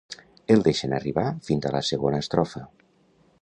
El deixen arribar fins a la segona estrofa.